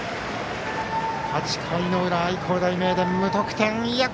８回の裏、愛工大名電は無得点。